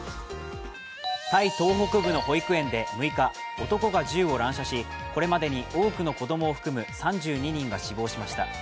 タイ東北部の保育園で６日、男が銃を乱射し、これまでに多くの子供を含む３２人が死亡しました。